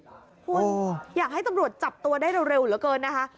คุณอยากให้ตำรวจจับตัวได้เร็วเหลือเกินนะคะ